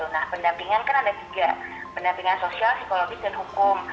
nah pendampingan kan ada tiga pendampingan sosial psikologis dan hukum